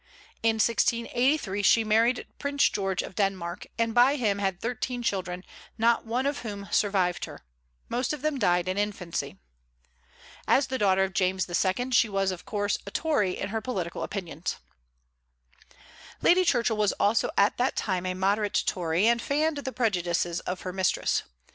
In 1683 she married Prince George of Denmark, and by him had thirteen children, not one of whom survived her; most of them died in infancy. As the daughter of James II., she was of course a Tory in her political opinions. Lady Churchill was also at that time a moderate Tory, and fanned the prejudices of her mistress.